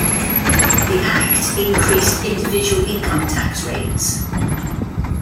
The Act increased individual income tax rates.